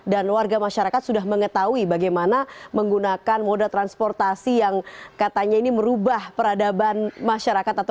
dan warga masyarakat sudah mengetahui bagaimana menggunakan moda transportasi yang katanya ini merubah peradaban masyarakat atau warga